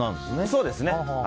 そうですね。